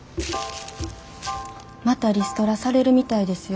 またリストラされるみたいですよ。